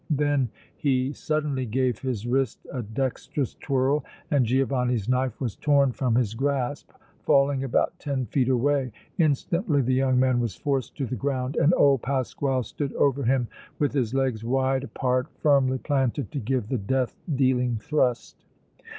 Then he suddenly gave his wrist a dextrous twirl and Giovanni's knife was torn from his grasp, falling about ten feet away. Instantly the young man was forced to the ground and old Pasquale stood over him with his legs wide apart, firmly planted to give the death dealing thrust.